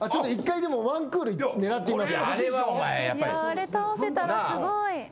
あれ倒せたらすごい。